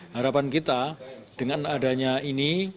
harapan kita dengan adanya ini